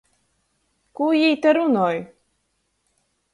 Kū jī te runoj!